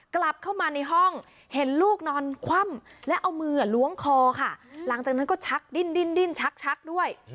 กลับเข้ามาในห้องเห็นลูกนอนคว่ำและเอามือล้วงคอค่ะหลังจากนั้นก็ชักดิ้นชักด้วย